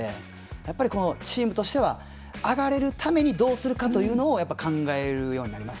やっぱり、チームとしては上がれるためにどうするかというのを考えるようになります。